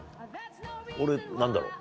俺何だろう？